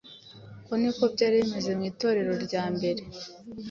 Uko ni ko byari bimeze mu Itorero rya mbere;